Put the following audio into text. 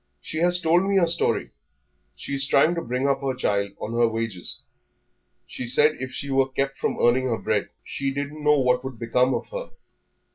"She has told me her story; she is trying to bring up her child on her wages.... She said if she was kept from earning her bread she didn't know what would become of her.